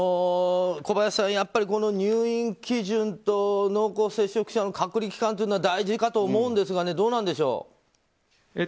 小林さん、やっぱり入院基準と濃厚接触者の隔離期間というのは大事かと思うんですがどうなんでしょう。